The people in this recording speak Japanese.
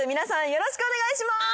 よろしくお願いします。